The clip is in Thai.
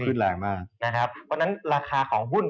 เพราะฉะนั้นราคาของหุ้น